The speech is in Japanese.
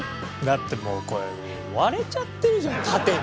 だってもうこれ割れちゃってるじゃん縦に。